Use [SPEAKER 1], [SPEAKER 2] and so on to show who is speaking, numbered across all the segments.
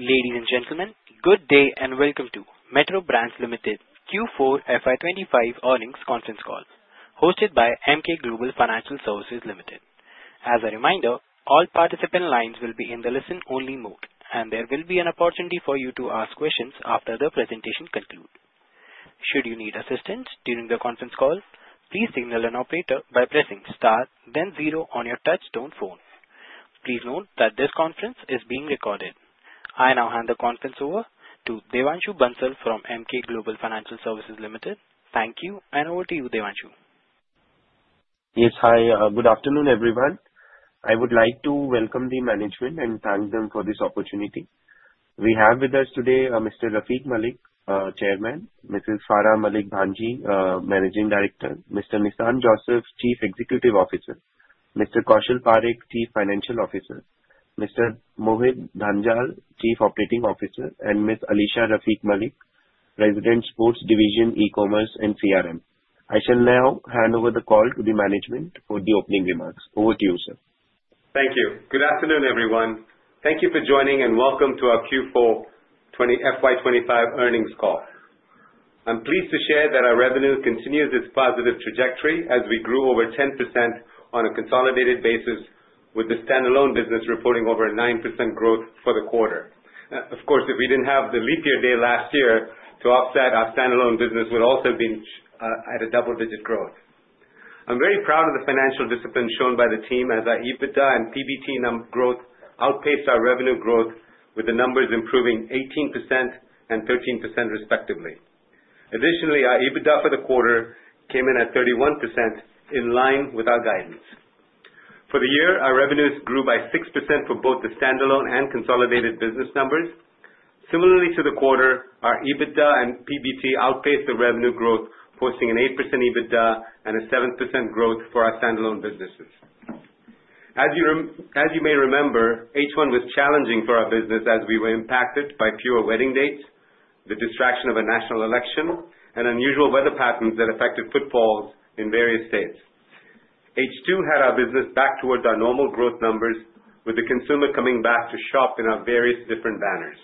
[SPEAKER 1] Ladies and gentlemen, good day and welcome to Metro Brands Limited Q4 FY 2025 earnings conference call hosted by Emkay Global Financial Services Limited. As a reminder, all participant lines will be in the listen only mode, and there will be an opportunity for you to ask questions after the presentation concludes. Should you need assistance during the conference call, please signal an operator by pressing star then zero on your touch tone phone. Please note that this conference is being recorded. I now hand the conference over to Devanshu Bansal from Emkay Global Financial Services Limited. Thank you, and over to you, Devanshu.
[SPEAKER 2] Yes. Hi. Good afternoon, everyone. I would like to welcome the management and thank them for this opportunity. We have with us today Mr. Rafique Malik, Chairman, Mrs. Farah Malik Bhanji, Managing Director, Mr. Nissan Joseph, Chief Executive Officer, Mr. Kaushal Parekh, Chief Financial Officer, Mr. Mohit Dhanjal, Chief Operating Officer, and Miss Alisha Rafique Malik, President, Sports Division, E-commerce and CRM. I shall now hand over the call to the management for the opening remarks. Over to you, sir.
[SPEAKER 3] Thank you. Good afternoon, everyone. Thank you for joining and welcome to our Q4 FY 2025 earnings call. I am pleased to share that our revenue continues its positive trajectory as we grew over 10% on a consolidated basis with the standalone business reporting over a 9% growth for the quarter. Of course, if we did not have the leap year day last year to offset, our standalone business would also have been at a double-digit growth. I am very proud of the financial discipline shown by the team as our EBITDA and PBT growth outpaced our revenue growth with the numbers improving 18% and 13% respectively. Additionally, our EBITDA for the quarter came in at 31% in line with our guidance. For the year, our revenues grew by 6% for both the standalone and consolidated business numbers. Similarly to the quarter, our EBITDA and PBT outpaced the revenue growth, posting an 8% EBITDA and a 7% growth for our standalone businesses. As you may remember, H1 was challenging for our business as we were impacted by fewer wedding dates, the distraction of a national election, and unusual weather patterns that affected footfalls in various states. H2 had our business back towards our normal growth numbers, with the consumer coming back to shop in our various different banners.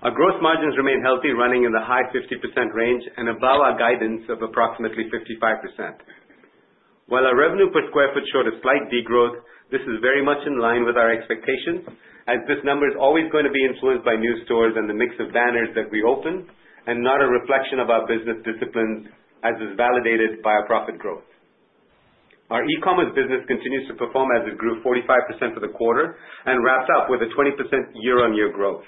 [SPEAKER 3] Our gross margins remain healthy, running in the high 50% range and above our guidance of approximately 55%. While our revenue per square foot showed a slight degrowth, this is very much in line with our expectations as this number is always going to be influenced by new stores and the mix of banners that we open, not a reflection of our business disciplines, as is validated by our profit growth. Our e-commerce business continues to perform as it grew 45% for the quarter and wraps up with a 20% year-on-year growth.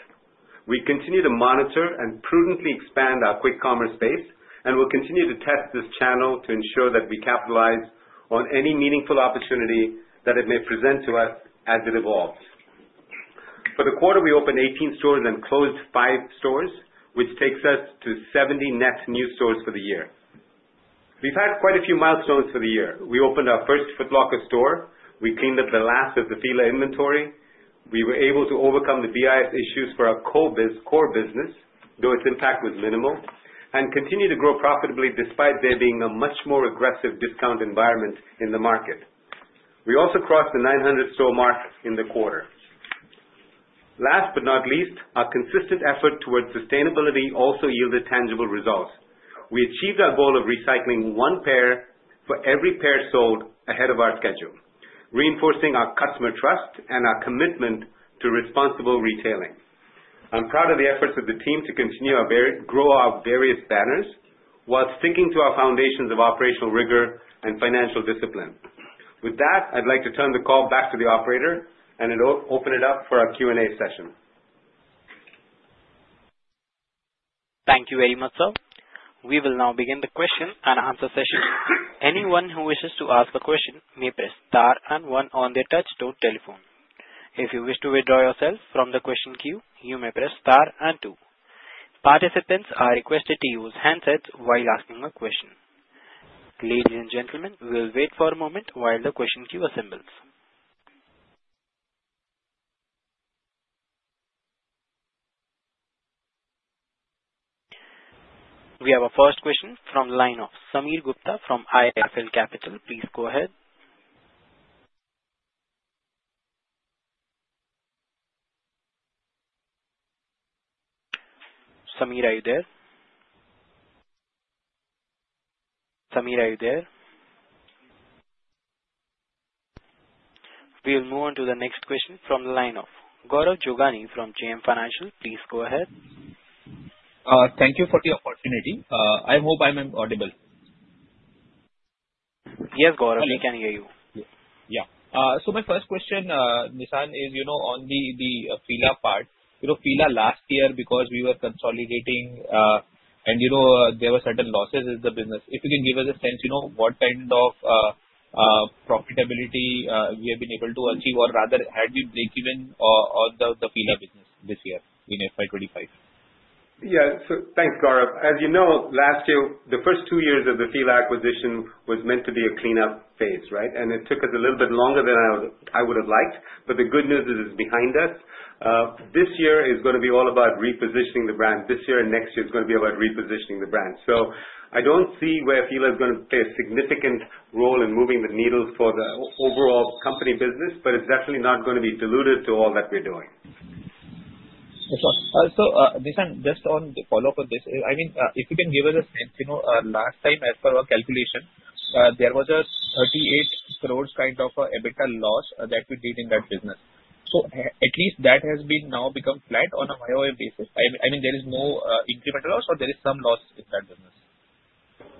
[SPEAKER 3] We continue to monitor and prudently expand our quick commerce space. We'll continue to test this channel to ensure that we capitalize on any meaningful opportunity that it may present to us as it evolves. For the quarter, we opened 18 stores and closed five stores, which takes us to 70 net new stores for the year. We've had quite a few milestones for the year. We opened our first Foot Locker store. We cleaned up the last of the Fila inventory. We were able to overcome the BIS issues for our core business, though its impact was minimal, continue to grow profitably despite there being a much more aggressive discount environment in the market. We also crossed the 900-store mark in the quarter. Last but not least, our consistent effort towards sustainability also yielded tangible results. We achieved our goal of recycling one pair for every pair sold ahead of our schedule, reinforcing our customer trust and our commitment to responsible retailing. I'm proud of the efforts of the team to continue to grow our various banners while sticking to our foundations of operational rigor and financial discipline. With that, I'd like to turn the call back to the operator, open it up for our Q&A session.
[SPEAKER 1] Thank you very much, sir. We will now begin the question and answer session. Anyone who wishes to ask a question may press star and one on their touch tone telephone. If you wish to withdraw yourself from the question queue, you may press star and two. Participants are requested to use handsets while asking a question. Ladies and gentlemen, we'll wait for a moment while the question queue assembles. We have our first question from line of Sameer Gupta from IIFL Capital. Please go ahead. Sameer, are you there? We'll move on to the next question from the line of Gaurav Jogani from JM Financial. Please go ahead.
[SPEAKER 4] Thank you for the opportunity. I hope I'm audible.
[SPEAKER 1] Yes, Gaurav. We can hear you.
[SPEAKER 4] Yeah. My first question, Nissan, is on the Fila part. Fila last year, because we were consolidating, and there were certain losses in the business. If you can give us a sense, what kind of profitability we have been able to achieve or rather, had we break even on the Fila business this year in FY 2025?
[SPEAKER 3] Yeah. Thanks, Gaurav. As you know, last year, the first two years of the Fila acquisition was meant to be a cleanup phase, right? It took us a little bit longer than I would've liked, the good news is it's behind us. This year is gonna be all about repositioning the brand. This year and next year is gonna be about repositioning the brand. I don't see where Fila is gonna play a significant role in moving the needle for the overall company business, it's definitely not gonna be diluted to all that we're doing.
[SPEAKER 4] That's all. Nissan, just on the follow-up of this, if you can give us a sense, last time as per our calculation, there was a 38 crores kind of EBITDA loss that we did in that business. At least that has been now become flat on a YOY basis. There is no incremental loss, or there is some loss in that business?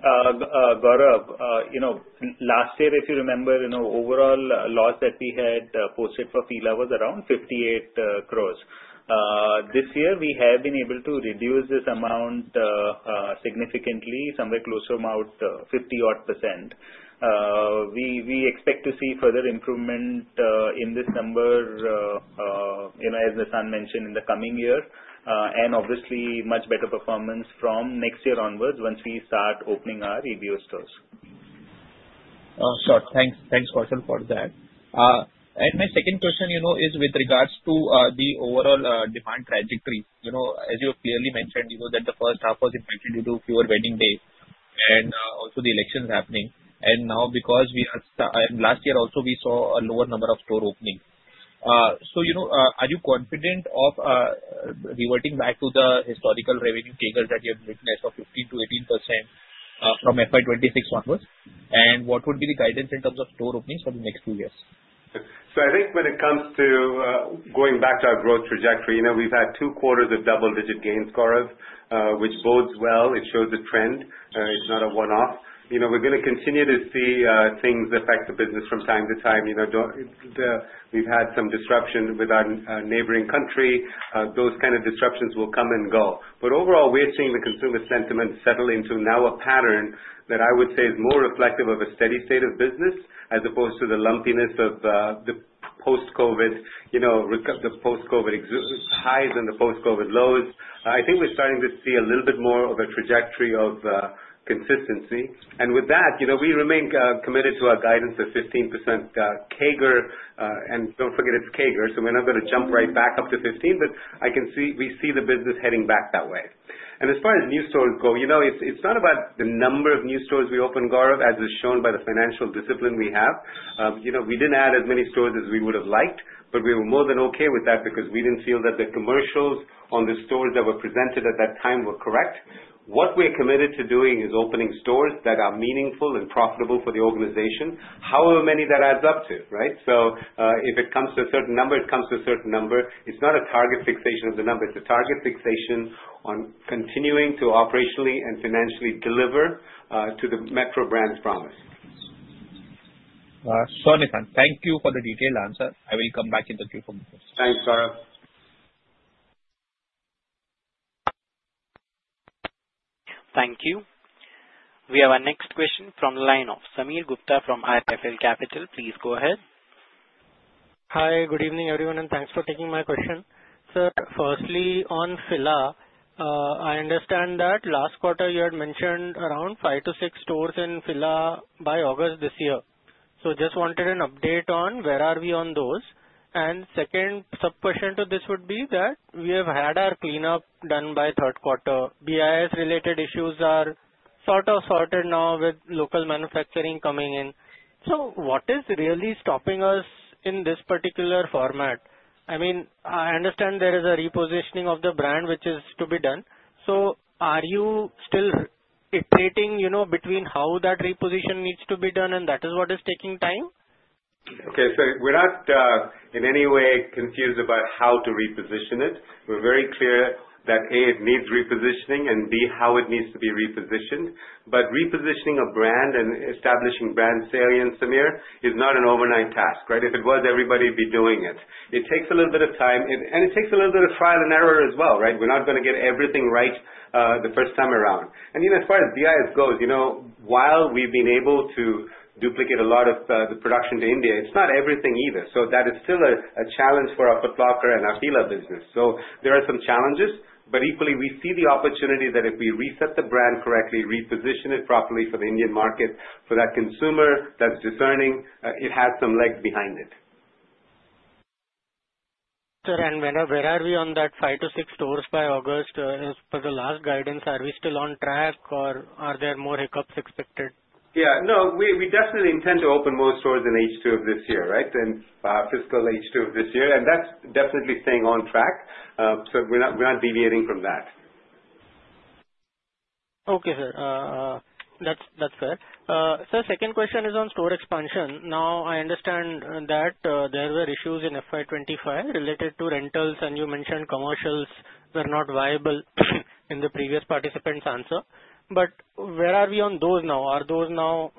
[SPEAKER 5] Gaurav, last year, if you remember, overall loss that we had posted for Fila was around 58 crores. This year, we have been able to reduce this amount significantly, somewhere close to about 50-odd %. We expect to see further improvement in this number, as Nissan mentioned, in the coming year. Obviously, much better performance from next year onwards once we start opening our EBO stores.
[SPEAKER 4] Sure. Thanks, Kaushal, for that. My second question is with regards to the overall demand trajectory. As you have clearly mentioned, that the first half was impacted due to pure wedding day and also the elections happening. Last year also, we saw a lower number of store openings. Are you confident of reverting back to the historical revenue CAGR that you have witnessed of 15%-18% from FY 2026 onwards? What would be the guidance in terms of store openings for the next few years?
[SPEAKER 3] I think when it comes to going back to our growth trajectory, we've had two quarters of double-digit gains, Gaurav, which bodes well. It shows a trend. It's not a one-off. We're going to continue to see things affect the business from time to time. We've had some disruption with our neighboring country. Those kind of disruptions will come and go. Overall, we are seeing the consumer sentiment settle into now a pattern that I would say is more reflective of a steady state of business as opposed to the lumpiness of the post-COVID highs and the post-COVID lows. I think we're starting to see a little bit more of a trajectory of consistency. With that, we remain committed to our guidance of 15% CAGR. Don't forget, it's CAGR, so we're not going to jump right back up to 15, but we see the business heading back that way. As far as new stores go, it's not about the number of new stores we open, Gaurav, as is shown by the financial discipline we have. We didn't add as many stores as we would've liked, but we were more than okay with that because we didn't feel that the commercials on the stores that were presented at that time were correct. What we're committed to doing is opening stores that are meaningful and profitable for the organization, however many that adds up to, right? If it comes to a certain number, it comes to a certain number. It's not a target fixation of the number. It's a target fixation on continuing to operationally and financially deliver to the Metro Brands promise.
[SPEAKER 4] Sure, Nissan. Thank you for the detailed answer. I will come back in the queue for more questions.
[SPEAKER 3] Thanks, Gaurav.
[SPEAKER 1] Thank you. We have our next question from the line of Sameer Gupta from IIFL Capital. Please go ahead.
[SPEAKER 6] Hi. Good evening, everyone. Thanks for taking my question. Sir, firstly, on Fila, I understand that last quarter you had mentioned around five to six stores in Fila by August this year. Just wanted an update on where are we on those. Second sub-question to this would be that we have had our cleanup done by third quarter. BIS-related issues are sort of sorted now with local manufacturing coming in. What is really stopping us in this particular format? I understand there is a repositioning of the brand which is to be done. Are you still iterating between how that reposition needs to be done, and that is what is taking time?
[SPEAKER 3] We're not in any way confused about how to reposition it. We're very clear that, A, it needs repositioning, and B, how it needs to be repositioned. Repositioning a brand and establishing brand saliency, Sameer, is not an overnight task, right? If it was, everybody would be doing it. It takes a little bit of time, and it takes a little bit of trial and error as well, right? We're not going to get everything right the first time around. Even as far as BIS goes, while we've been able to duplicate a lot of the production to India, it's not everything either. That is still a challenge for our Foot Locker and our Fila business. There are some challenges, but equally, we see the opportunity that if we reset the brand correctly, reposition it properly for the Indian market, for that consumer that's discerning, it has some legs behind it.
[SPEAKER 6] Sir, where are we on that five to six stores by August? As per the last guidance, are we still on track, or are there more hiccups expected?
[SPEAKER 3] We definitely intend to open more stores in H2 of this year, right? In fiscal H2 of this year, that's definitely staying on track. We're not deviating from that.
[SPEAKER 6] Okay, sir. That's fair. Sir, second question is on store expansion. Now, I understand that there were issues in FY 2025 related to rentals, and you mentioned commercials were not viable in the previous participant's answer. Where are we on those now? Are those now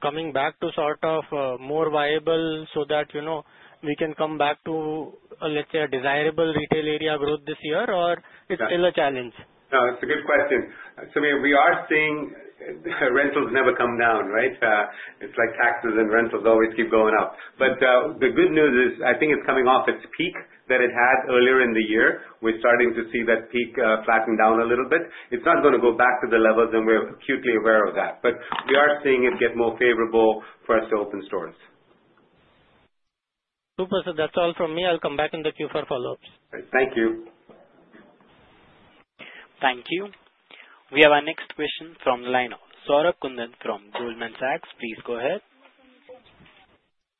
[SPEAKER 6] coming back to sort of more viable so that we can come back to, let's say, a desirable retail area growth this year, or it's still a challenge?
[SPEAKER 3] No, it's a good question. Sameer, we are seeing rentals never come down, right? It's like taxes and rentals always keep going up. The good news is, I think it's coming off its peak that it had earlier in the year. We're starting to see that peak flatten down a little bit. It's not going to go back to the levels, and we're acutely aware of that, but we are seeing it get more favorable for us to open stores.
[SPEAKER 6] Super, sir. That's all from me. I'll come back in the queue for follow-ups.
[SPEAKER 5] Thank you.
[SPEAKER 1] Thank you. We have our next question from the line of Saurabh Kundan from Goldman Sachs. Please go ahead.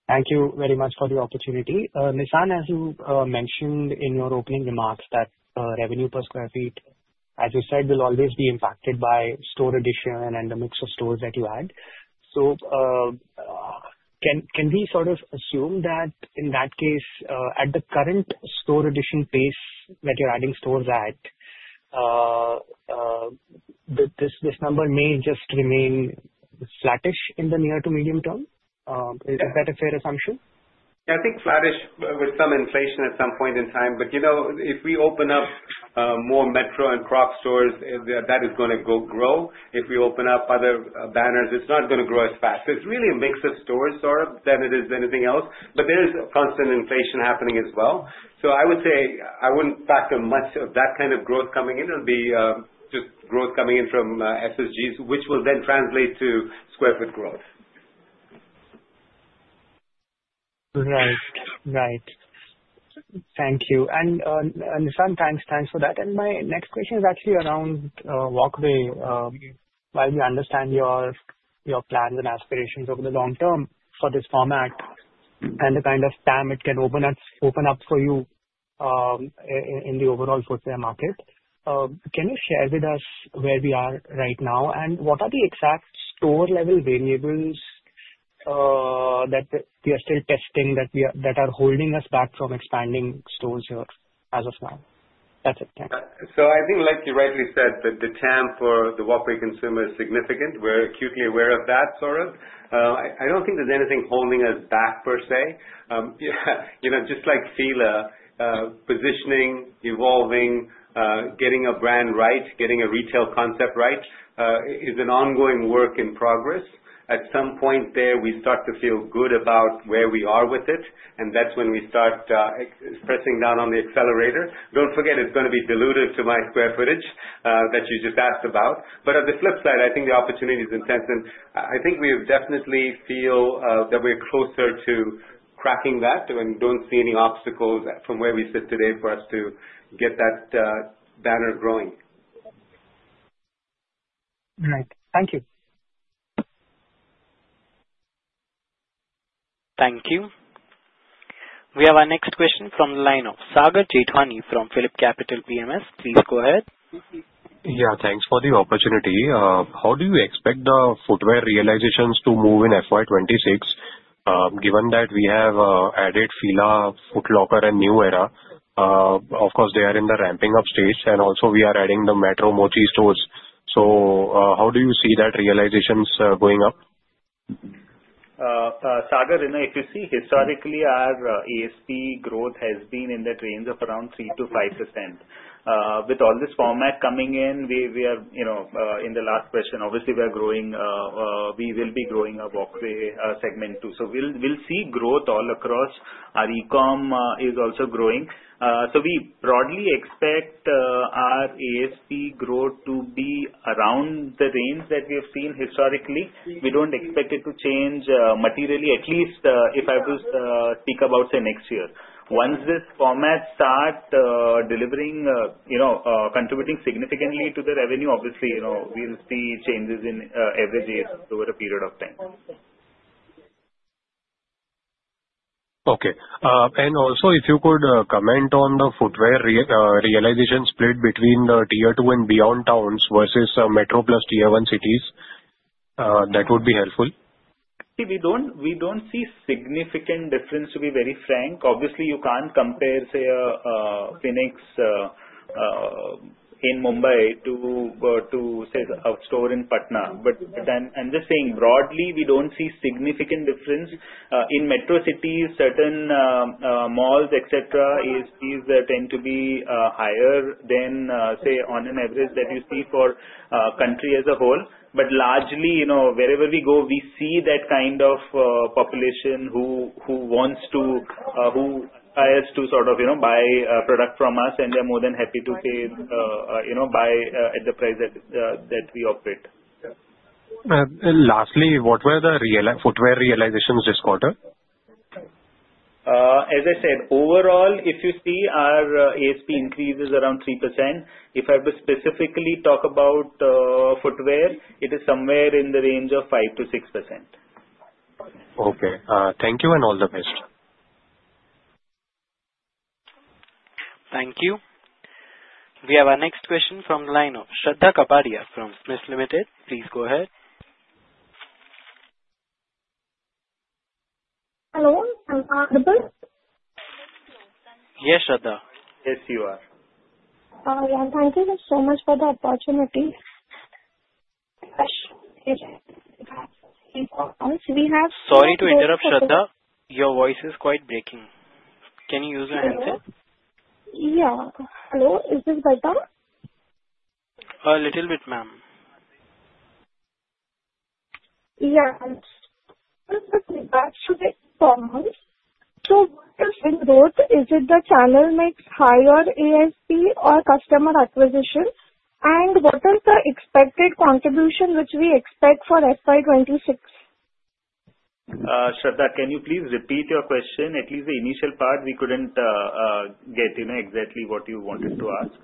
[SPEAKER 7] Thank you very much for the opportunity. Nissan, as you mentioned in your opening remarks, that revenue per square feet, as you said, will always be impacted by store addition and the mix of stores that you add. Can we sort of assume that in that case, at the current store addition pace that you're adding stores at, this number may just remain flattish in the near to medium term? Is that a fair assumption?
[SPEAKER 3] Yeah, I think flattish with some inflation at some point in time. If we open up more Metro and Crocs stores, that is going to grow. If we open up other banners, it's not going to grow as fast. It's really a mix of stores, Saurabh, than it is anything else. There is constant inflation happening as well. I would say, I wouldn't factor much of that kind of growth coming in. It'll be just growth coming in from SSG, which will then translate to square foot growth.
[SPEAKER 7] Right. Thank you. Nishant, thanks for that. My next question is actually around Walkway. While we understand your plans and aspirations over the long term for this format and the kind of TAM it can open up for you in the overall footwear market, can you share with us where we are right now, and what are the exact store-level variables that we are still testing that are holding us back from expanding stores here as of now? That's it. Thank you.
[SPEAKER 3] I think like you rightly said, that the TAM for the Walkway consumer is significant. We're acutely aware of that, Saurabh. I don't think there's anything holding us back, per se. Just like Fila, positioning, evolving, getting a brand right, getting a retail concept right, is an ongoing work in progress. At some point there, we start to feel good about where we are with it, and that's when we start pressing down on the accelerator. Don't forget, it's going to be dilutive to my square footage that you just asked about. On the flip side, I think the opportunity is intense, and I think we definitely feel that we're closer to cracking that, and we don't see any obstacles from where we sit today for us to get that banner growing.
[SPEAKER 7] Right. Thank you.
[SPEAKER 1] Thank you. We have our next question from the line of Sagar Chetvani from PhillipCapital PMS. Please go ahead.
[SPEAKER 8] Thanks for the opportunity. How do you expect the footwear realizations to move in FY 2026, given that we have added Fila, Foot Locker, and New Era? Of course, they are in the ramping up stage, and also we are adding the Metro, Mochi stores. How do you see that realization going up?
[SPEAKER 5] Sagar, if you see historically, our ASP growth has been in that range of around 3%-5%. With all this format coming in the last question, obviously we will be growing our Walkway segment too. We'll see growth all across. Our e-com is also growing. We broadly expect our ASP growth to be around the range that we have seen historically. We don't expect it to change materially, at least if I was to speak about, say, next year. Once this format starts contributing significantly to the revenue, obviously, we'll see changes in averages over a period of time.
[SPEAKER 8] Okay. Also, if you could comment on the footwear realization split between the Tier 2 and beyond towns versus Metro plus Tier 1 cities, that would be helpful.
[SPEAKER 5] See, we don't see a significant difference, to be very frank. Obviously, you can't compare, say, a Phoenix in Mumbai to, say, a store in Patna. I'm just saying, broadly, we don't see a significant difference. In metro cities, certain malls, et cetera, ASPs tend to be higher than, say, on an average that you see for a country as a whole. Largely, wherever we go, we see that kind of population who aspires to buy a product from us, and they're more than happy to buy at the price that we operate.
[SPEAKER 8] Lastly, what were the footwear realizations this quarter?
[SPEAKER 5] As I said, overall, if you see our ASP increase is around 3%. If I were to specifically talk about footwear, it is somewhere in the range of 5% to 6%.
[SPEAKER 8] Okay. Thank you and all the best.
[SPEAKER 1] Thank you. We have our next question from the line of Shraddha Kapadia from SMIFS Limited. Please go ahead.
[SPEAKER 9] Hello, am I audible?
[SPEAKER 1] Yes, Shraddha.
[SPEAKER 3] Yes, you are.
[SPEAKER 9] Thank you just so much for the opportunity.
[SPEAKER 1] Sorry to interrupt, Shraddha. Your voice is quite breaking. Can you use an headset?
[SPEAKER 9] Hello, is it better?
[SPEAKER 1] A little bit, ma'am.
[SPEAKER 9] Just a feedback to the performance. What is in growth? Is it the channel mix, higher ASP, or customer acquisition? What is the expected contribution which we expect for FY 2026?
[SPEAKER 5] Shraddha, can you please repeat your question, at least the initial part? We couldn't get exactly what you wanted to ask.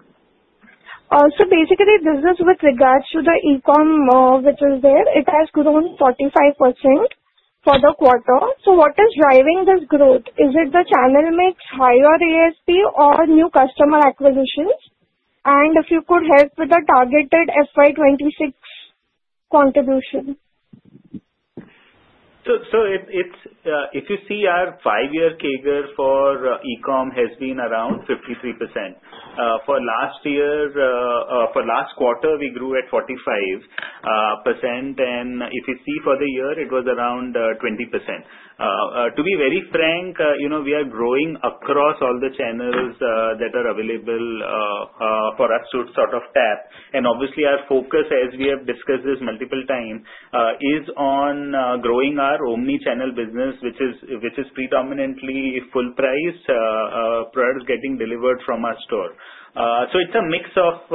[SPEAKER 9] Basically, this is with regards to the e-com, which is there. It has grown 45% for the quarter. What is driving this growth? Is it the channel mix, higher ASP, or new customer acquisitions? If you could help with the targeted FY 2026 contribution.
[SPEAKER 5] If you see our five-year CAGR for e-com has been around 53%. For last quarter, we grew at 45%, and if you see for the year, it was around 20%. To be very frank, we are growing across all the channels that are available for us to tap. Obviously, our focus, as we have discussed this multiple times, is on growing our omni-channel business, which is predominantly full price products getting delivered from our store. It's a mix of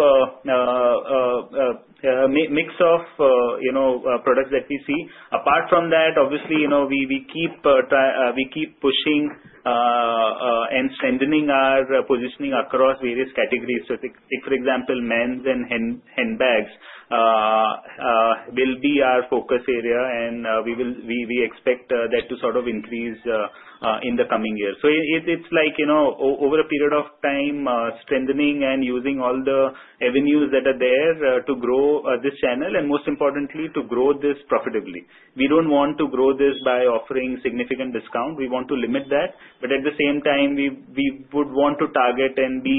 [SPEAKER 5] products that we see. Apart from that, obviously, we keep pushing and strengthening our positioning across various categories. For example, men's and handbags will be our focus area, and we expect that to increase in the coming years. It's like, over a period of time, strengthening and using all the avenues that are there to grow this channel, and most importantly, to grow this profitably. We don't want to grow this by offering significant discount. We want to limit that. At the same time, we would want to target and be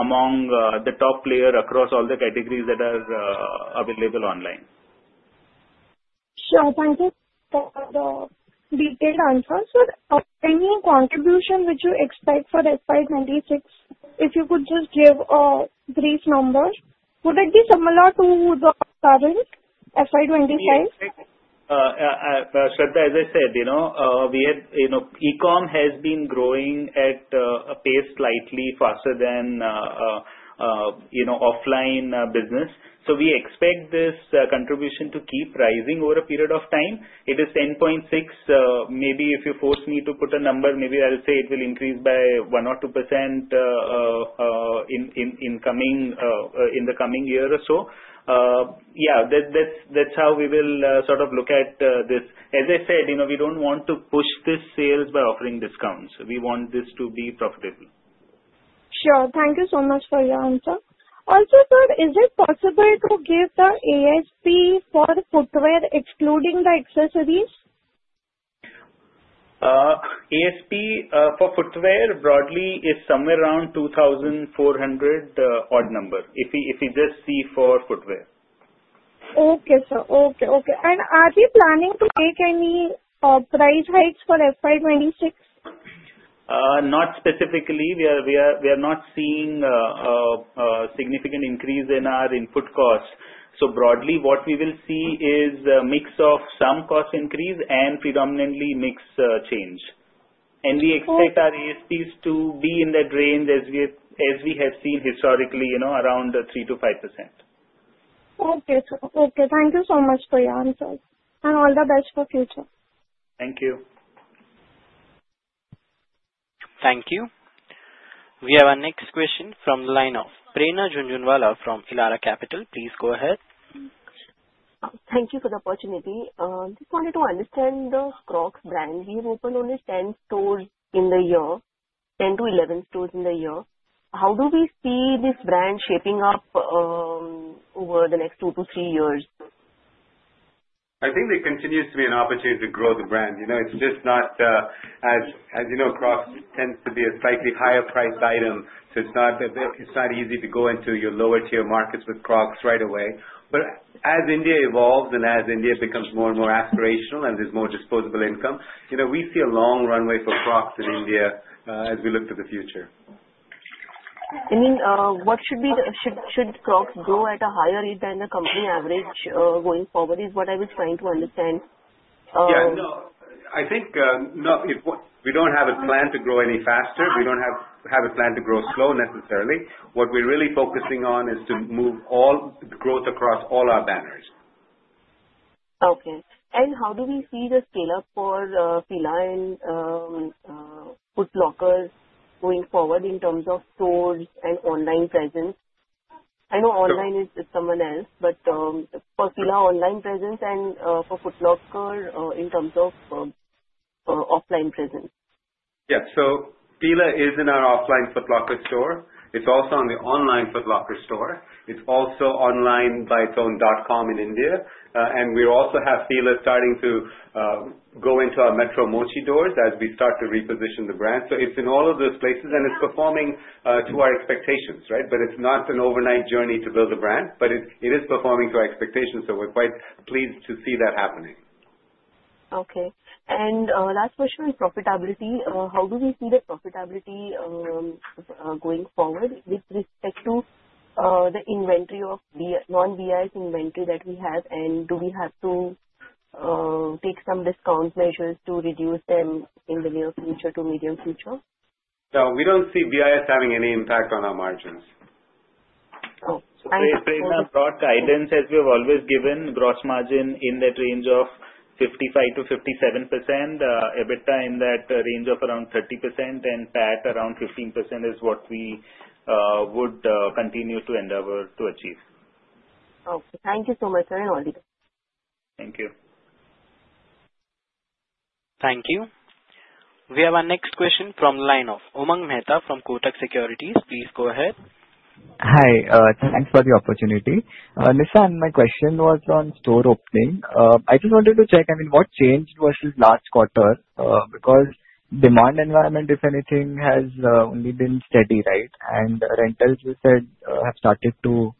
[SPEAKER 5] among the top player across all the categories that are available online.
[SPEAKER 9] Sure. Thank you for the detailed answer. Sir, any contribution which you expect for FY 2026, if you could just give a brief number. Would it be similar to the current FY 2025?
[SPEAKER 5] Shraddha, as I said, e-com has been growing at a pace slightly faster than offline business. We expect this contribution to keep rising over a period of time. It is 10.6%. Maybe if you force me to put a number, maybe I will say it will increase by 1% or 2% in the coming year or so. Yeah, that's how we will look at this. As I said, we don't want to push this sales by offering discounts. We want this to be profitable.
[SPEAKER 9] Sure. Thank you so much for your answer. Sir, is it possible to give the ASP for footwear excluding the accessories?
[SPEAKER 5] ASP for footwear broadly is somewhere around 2,400 odd number, if you just see for footwear.
[SPEAKER 9] Okay, sir. Are you planning to take any price hikes for FY 2026?
[SPEAKER 5] Not specifically. We are not seeing a significant increase in our input costs. Broadly, what we will see is a mix of some cost increase and predominantly mix change. We expect our ASPs to be in that range as we have seen historically, around 3%-5%.
[SPEAKER 9] Okay, sir. Thank you so much for your answers, all the best for future.
[SPEAKER 5] Thank you.
[SPEAKER 1] Thank you. We have our next question from the line of Prerna Jhunjhunwala from Elara Capital. Please go ahead.
[SPEAKER 10] Thank you for the opportunity. Just wanted to understand the Crocs brand. You've opened only 10 stores in the year, 10 to 11 stores in the year. How do we see this brand shaping up over the next two to three years?
[SPEAKER 3] I think there continues to be an opportunity to grow the brand. As you know, Crocs tends to be a slightly higher priced item. It's not easy to go into your lower tier markets with Crocs right away. As India evolves and as India becomes more and more aspirational and there's more disposable income, we see a long runway for Crocs in India as we look to the future.
[SPEAKER 10] Should Crocs grow at a higher rate than the company average going forward, is what I was trying to understand.
[SPEAKER 3] Yeah, no. I think we don't have a plan to grow any faster. We don't have a plan to grow slow, necessarily. What we're really focusing on is to move all the growth across all our banners.
[SPEAKER 10] How do we see the scale-up for Fila and Foot Locker going forward in terms of stores and online presence? I know online is someone else, but for Fila online presence and for Foot Locker in terms of offline presence?
[SPEAKER 3] Yeah. Fila is in our offline Foot Locker store. It's also on the online Foot Locker store. It's also online by its own .com in India. We also have Fila starting to go into our Metro, Mochi doors as we start to reposition the brand. It's in all of those places, and it's performing to our expectations. It's not an overnight journey to build a brand, but it is performing to our expectations, so we're quite pleased to see that happening.
[SPEAKER 10] Okay. Last question is profitability. How do we see the profitability going forward with respect to the non-BIS inventory that we have, and do we have to take some discount measures to reduce them in the near future to medium future?
[SPEAKER 5] No, we don't see BIS having any impact on our margins. Prerna, broad guidance as we have always given gross margin in that range of 55%-57%, EBITDA in that range of around 30% and PAT around 15% is what we would continue to endeavor to achieve.
[SPEAKER 10] Okay. Thank you so much, sir. All the best.
[SPEAKER 5] Thank you.
[SPEAKER 1] Thank you. We have our next question from line of Umang Mehta from Kotak Securities. Please go ahead.
[SPEAKER 11] Hi. Thanks for the opportunity. Nishan, my question was on store opening. I just wanted to check, what changed versus last quarter? Demand environment, if anything, has only been steady, right? Rentals you said have started to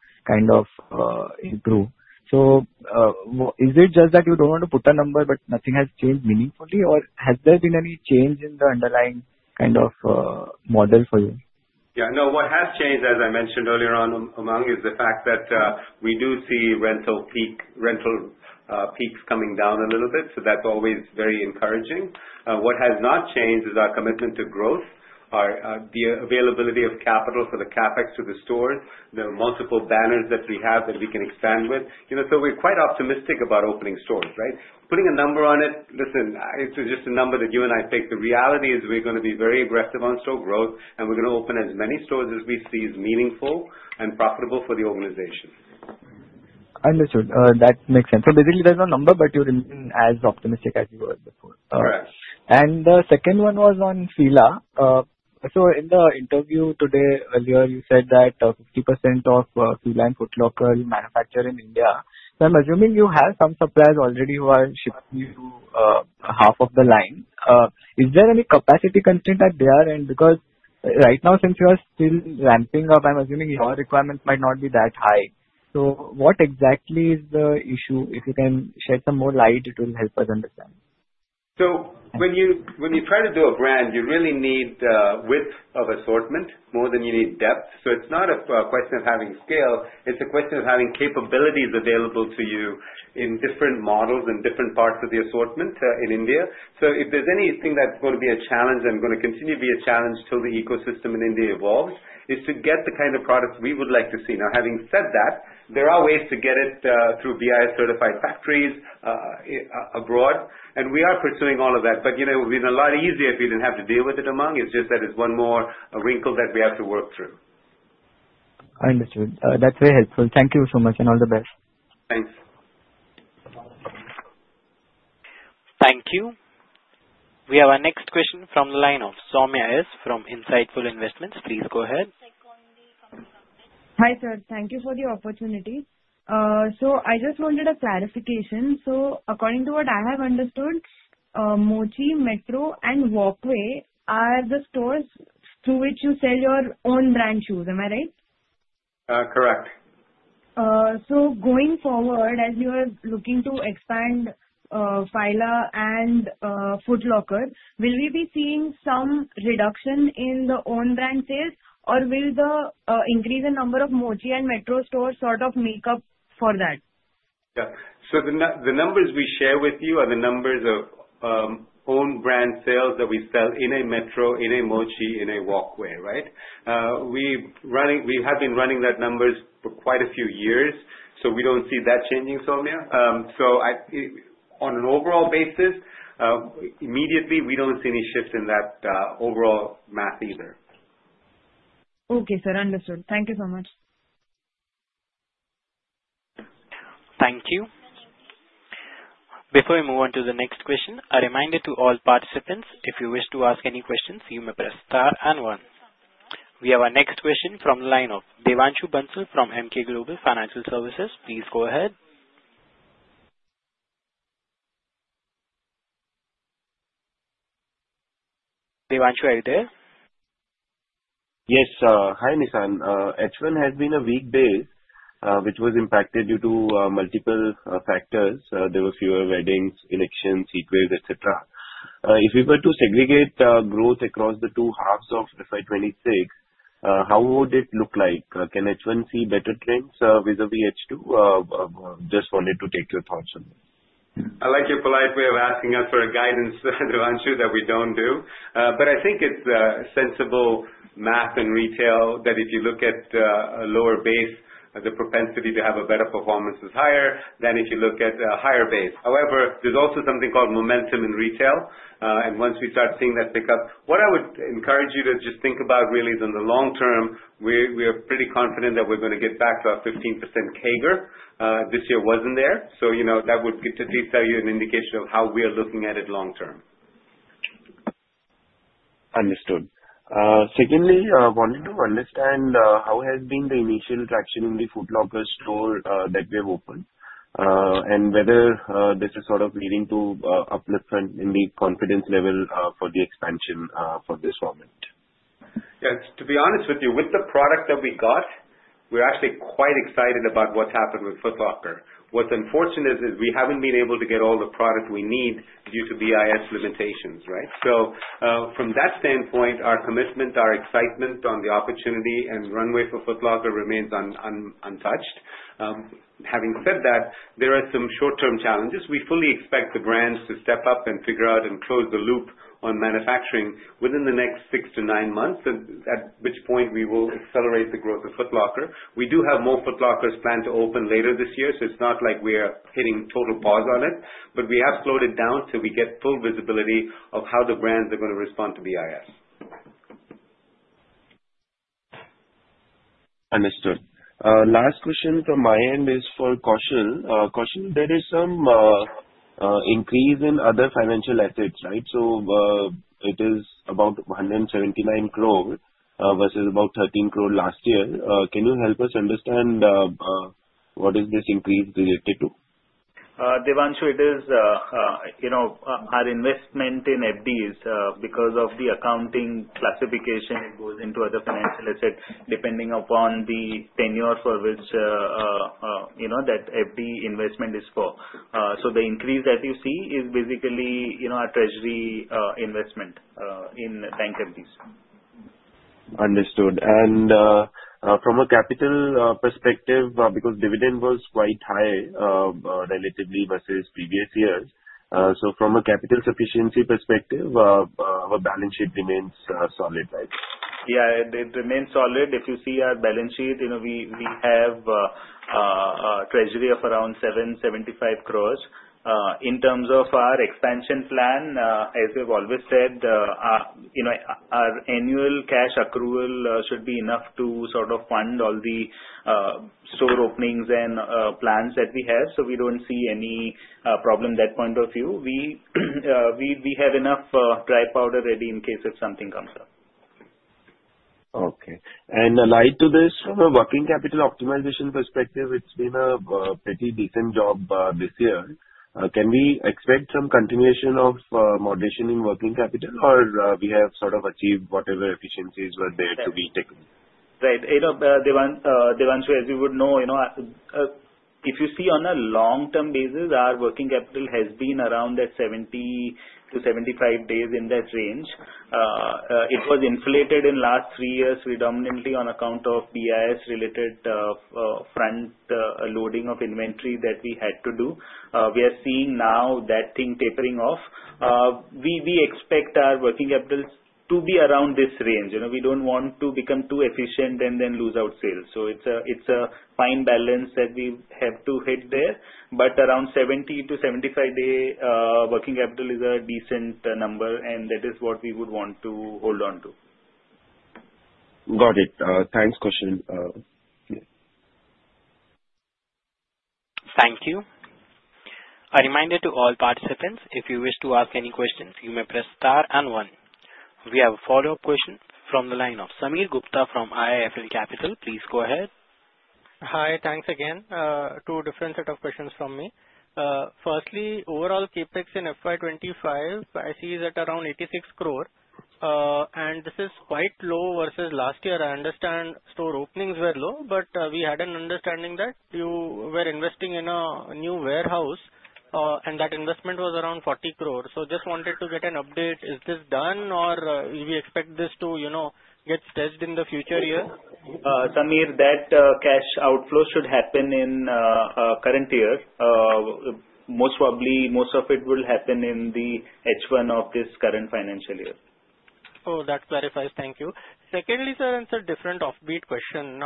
[SPEAKER 11] improve. Is it just that you don't want to put a number, but nothing has changed meaningfully or has there been any change in the underlying kind of model for you?
[SPEAKER 3] What has changed, as I mentioned earlier on, Umang, is the fact that we do see rental peaks coming down a little bit. That's always very encouraging. What has not changed is our commitment to growth, the availability of capital for the CapEx to the stores, the multiple banners that we have that we can expand with. We're quite optimistic about opening stores, right? Putting a number on it, listen, it's just a number that you and I pick. The reality is we're going to be very aggressive on store growth, and we're going to open as many stores as we see is meaningful and profitable for the organization.
[SPEAKER 11] Understood. That makes sense. Basically, there's no number, but you're remaining as optimistic as you were before.
[SPEAKER 3] Correct.
[SPEAKER 11] The second one was on Fila. In the interview today, earlier, you said that 50% of Fila and Foot Locker you manufacture in India. I'm assuming you have some suppliers already who are shipping you half of the line. Is there any capacity constraint at their end? Because right now, since you are still ramping up, I'm assuming your requirements might not be that high. What exactly is the issue? If you can shed some more light, it will help us understand.
[SPEAKER 3] When you try to do a brand, you really need width of assortment more than you need depth. It's not a question of having scale, it's a question of having capabilities available to you in different models and different parts of the assortment in India. If there's anything that's going to be a challenge and going to continue to be a challenge till the ecosystem in India evolves, is to get the kind of products we would like to see. Now, having said that, there are ways to get it through BIS-certified factories abroad, and we are pursuing all of that. It would've been a lot easier if we didn't have to deal with it, Umang. It's just that it's one more wrinkle that we have to work through.
[SPEAKER 11] I understand. That's very helpful. Thank you so much, and all the best.
[SPEAKER 3] Thanks.
[SPEAKER 1] Thank you. We have our next question from the line of Soumya S. from Insightful Investments. Please go ahead.
[SPEAKER 12] Hi, sir. Thank you for the opportunity. I just wanted a clarification. According to what I have understood, Mochi, Metro, and Walkway are the stores through which you sell your own brand shoes. Am I right?
[SPEAKER 3] Correct.
[SPEAKER 12] Going forward, as you are looking to expand Fila and Foot Locker, will we be seeing some reduction in the own brand sales, or will the increase in number of Mochi and Metro stores sort of make up for that?
[SPEAKER 3] Yeah. The numbers we share with you are the numbers of own brand sales that we sell in a Metro, in a Mochi, in a Walkway, right? We have been running that numbers for quite a few years, so we don't see that changing, Soumya. On an overall basis, immediately, we don't see any shift in that overall math either.
[SPEAKER 12] Okay, sir. Understood. Thank you so much.
[SPEAKER 1] Thank you. Before we move on to the next question, a reminder to all participants, if you wish to ask any questions, you may press star and one. We have our next question from the line of Devanshu Bansal from Emkay Global Financial Services. Please go ahead. Devanshu, are you there?
[SPEAKER 2] Yes. Hi, Nishan. H1 has been a weak base, which was impacted due to multiple factors. There were fewer weddings, elections, sequels, et cetera. If we were to segregate growth across the two halves of FY 2026, how would it look like? Can H1 see better trends vis-à-vis H2? Just wanted to take your thoughts on this.
[SPEAKER 3] I like your polite way of asking us for a guidance Devanshu, that we don't do. I think it's a sensible math in retail that if you look at a lower base, the propensity to have a better performance is higher than if you look at a higher base. However, there's also something called momentum in retail, and once we start seeing that pick up, what I would encourage you to just think about really is in the long term, we are pretty confident that we're going to get back to our 15% CAGR. This year wasn't there. That would at least tell you an indication of how we are looking at it long term.
[SPEAKER 2] Understood. Secondly, wanted to understand how has been the initial traction in the Foot Locker store that we have opened, and whether this is leading to uplift in the confidence level for the expansion for this format.
[SPEAKER 3] Yes. To be honest with you, with the product that we got, we're actually quite excited about what's happened with Foot Locker. What's unfortunate is we haven't been able to get all the product we need due to BIS limitations, right? From that standpoint, our commitment, our excitement on the opportunity and runway for Foot Locker remains untouched. Having said that, there are some short-term challenges. We fully expect the brands to step up and figure out and close the loop on manufacturing within the next 6-9 months, at which point we will accelerate the growth of Foot Locker. We do have more Foot Lockers planned to open later this year, so it's not like we are hitting total pause on it. We have slowed it down till we get full visibility of how the brands are going to respond to BIS.
[SPEAKER 2] Understood. Last question from my end is for Kaushal. Kaushal, there is some increase in other financial assets. It is about 179 crore versus about 13 crore last year. Can you help us understand what is this increase related to?
[SPEAKER 5] Devanshu, our investment in FDs, because of the accounting classification, it goes into other financial assets, depending upon the tenure for which that FD investment is for. The increase that you see is basically our treasury investment in bank FDs.
[SPEAKER 2] Understood. From a capital perspective, because dividend was quite high relatively versus previous years, from a capital sufficiency perspective, our balance sheet remains solid?
[SPEAKER 5] Yeah, it remains solid. If you see our balance sheet, we have a treasury of around 775 crore. In terms of our expansion plan, as we've always said, our annual cash accrual should be enough to fund all the store openings and plans that we have. We don't see any problem from that point of view. We have enough dry powder ready in case if something comes up.
[SPEAKER 2] Okay. Allied to this, from a working capital optimization perspective, it has been a pretty decent job this year. Can we expect some continuation of moderation in working capital, or we have sort of achieved whatever efficiencies were there to be taken?
[SPEAKER 5] Right. Devanshu, as you would know, if you see on a long-term basis, our working capital has been around that 70-75 days, in that range. It was inflated in last three years predominantly on account of BIS-related frontloading of inventory that we had to do. We are seeing now that thing tapering off. We expect our working capital to be around this range. We don't want to become too efficient and then lose our sales. It is a fine balance that we have to hit there, but around 70-75 day working capital is a decent number, and that is what we would want to hold on to.
[SPEAKER 2] Got it. Thanks, Kaushal.
[SPEAKER 1] Thank you. A reminder to all participants, if you wish to ask any questions, you may press star and one. We have a follow-up question from the line of Sameer Gupta from IIFL Capital. Please go ahead.
[SPEAKER 6] Hi. Thanks again. Two different set of questions from me. Firstly, overall CapEx in FY 2025 I see is at around 86 crore, and this is quite low versus last year. I understand store openings were low, but we had an understanding that you were investing in a new warehouse, and that investment was around 40 crore. Just wanted to get an update. Is this done or we expect this to get staged in the future year?
[SPEAKER 5] Sameer, that cash outflow should happen in current year. Most probably, most of it will happen in the H1 of this current financial year.
[SPEAKER 6] That clarifies. Thank you. Secondly, sir, it's a different off-beat question.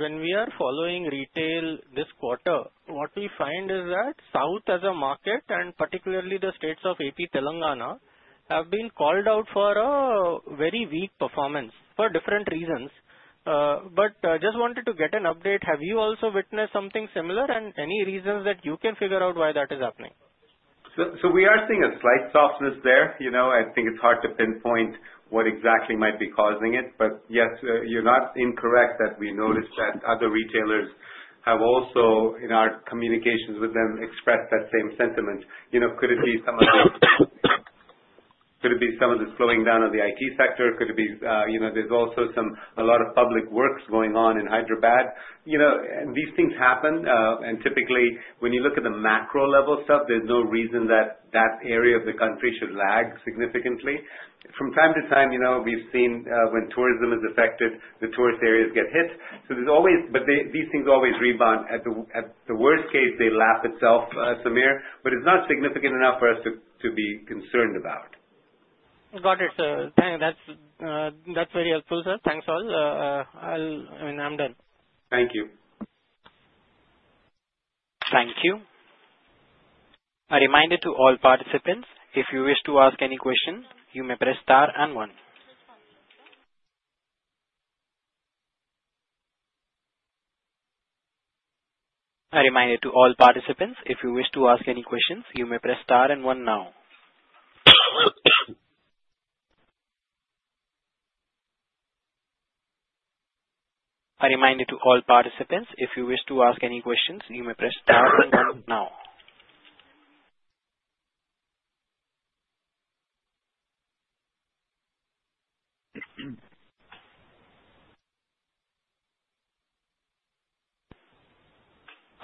[SPEAKER 6] When we are following retail this quarter, what we find is that South as a market, and particularly the states of AP Telangana, have been called out for a very weak performance for different reasons. Just wanted to get an update. Have you also witnessed something similar, and any reasons that you can figure out why that is happening?
[SPEAKER 3] We are seeing a slight softness there. I think it's hard to pinpoint what exactly might be causing it. Yes, you're not incorrect that we noticed that other retailers have also, in our communications with them, expressed that same sentiment. Could it be some of the slowing down of the IT sector? There's also a lot of public works going on in Hyderabad. These things happen, typically, when you look at the macro level stuff, there's no reason that that area of the country should lag significantly. From time to time, we've seen when tourism is affected, the tourist areas get hit. These things always rebound. At the worst case, they lap itself, Sameer. It's not significant enough for us to be concerned about.
[SPEAKER 6] Got it, sir. That's very helpful, sir. Thanks all. I'm done.
[SPEAKER 3] Thank you.
[SPEAKER 1] Thank you. A reminder to all participants, if you wish to ask any questions, you may press star and one. A reminder to all participants, if you wish to ask any questions, you may press star and one now. A reminder to all participants, if you wish to ask any questions, you may press star and one now.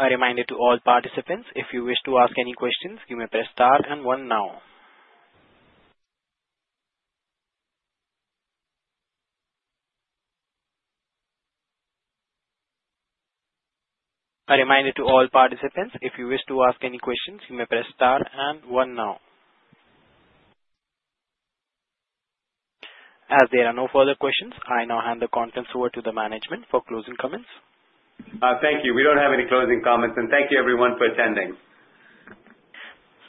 [SPEAKER 1] A reminder to all participants, if you wish to ask any questions, you may press star and one now. A reminder to all participants, if you wish to ask any questions, you may press star and one now. As there are no further questions, I now hand the conference over to the management for closing comments.
[SPEAKER 3] Thank you. We don't have any closing comments, and thank you everyone for attending.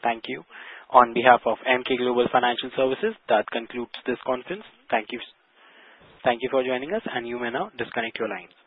[SPEAKER 1] Thank you. On behalf of Emkay Global Financial Services, that concludes this conference. Thank you for joining us, and you may now disconnect your line.